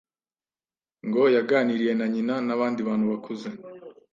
ngo yaganiriye na nyina n’ abandi bantu bakuze